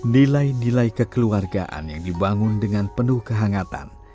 nilai nilai kekeluargaan yang dibangun dengan penuh kehangatan